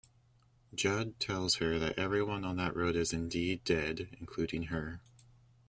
Jud tells her that everyone on that road is indeed dead-including her.